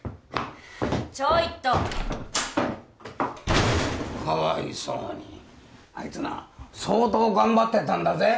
ちょいとかわいそうにあいつな相当頑張ってたんだぜ